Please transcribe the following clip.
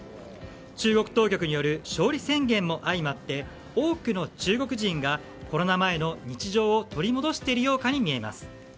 中国当局による勝利宣言も相まって多くの中国人がコロナ前の日常を取り戻しているかのように見えます。